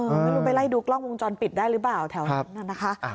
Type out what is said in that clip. ไม่รู้ไปไล่ดูกล้องวงจรปิดได้หรือเปล่าแถวนั้นน่ะนะคะ